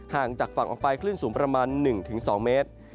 ห่างจากฝั่งออกไปคลื่นสูงประมาณ๑๒เมตร